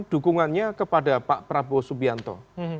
dukungannya kepada pak prabowo subianto